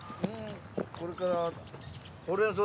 これから。